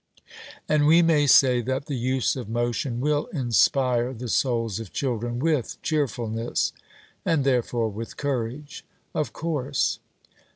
And we may say that the use of motion will inspire the souls of children with cheerfulness and therefore with courage. 'Of course.'